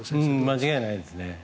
間違いないです。